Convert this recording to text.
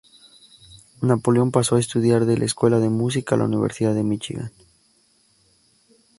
Napoleón pasó a estudiar en la escuela de música de la Universidad de Michigan.